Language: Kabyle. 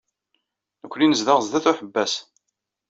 Nekkni nezdeɣ sdat uḥebbas.